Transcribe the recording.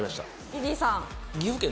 リリーさん。